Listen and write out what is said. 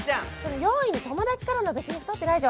４位の、友達からの別に太ってないじゃん